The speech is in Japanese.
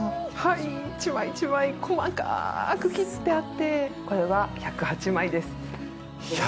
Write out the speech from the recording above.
一枚一枚、細かく切ってあって、これは１０８枚です。